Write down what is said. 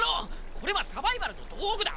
これはサバイバルのどうぐだ。